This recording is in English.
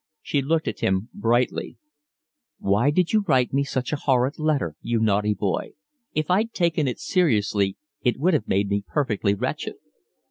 She looked at him brightly. "Why did you write me such a horrid letter, you naughty boy? If I'd taken it seriously it would have made me perfectly wretched."